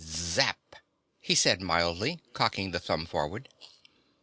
"Zap," he said mildly, cocking the thumb forward.